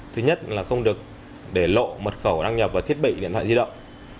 thứ nhất là không được để lộ mật khẩu đăng nhập vào thiết bị điện thoại di động